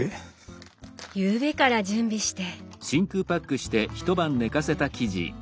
ゆうべから準備して。